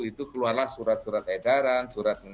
itu keluarlah surat surat edaran surat